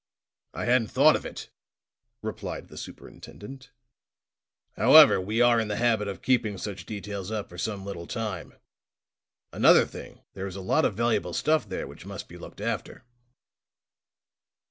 "I hadn't thought of it," replied the superintendent. "However, we are in the habit of keeping such details up for some little time. Another thing, there is a lot of valuable stuff there which must be looked after."